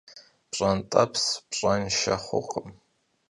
Pş'ent'eps pş'enşşe xhurkhım.